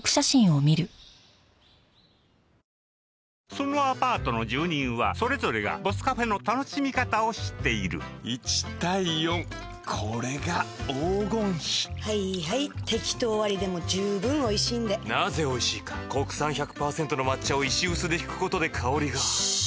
そのアパートの住人はそれぞれが「ＢＯＳＳＣＡＦＥ」の楽しみ方を知っている１：４これが黄金比はいはいテキトー割でもじゅうぶん美味しいんでなぜ美味しいか国産１００％の抹茶を石臼で引くことで香りがシーッ！